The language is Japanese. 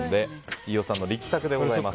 飯尾さんの力作でございます。